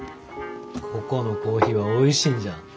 ここのコーヒーはおいしいんじゃ。